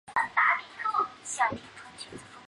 在农委会承认前已有高死亡率的案例出现。